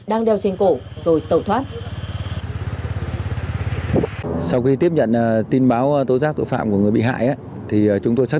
đang đeo trên cổ rồi tẩu thoát